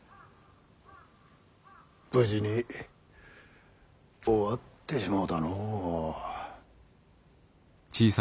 無事に終わってしもうたのう。